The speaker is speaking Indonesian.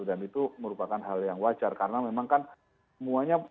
dan itu merupakan hal yang wajar karena memang kan semuanya itu ya